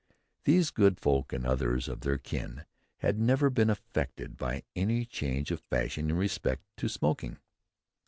These good folk and others of their kin had never been affected by any change of fashion in respect of smoking.